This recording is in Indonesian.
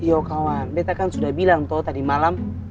yo kawan beta kan sudah bilang tau tadi malam